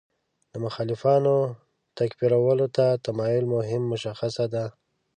د مخالفانو تکفیرولو ته تمایل مهم مشخصه ده.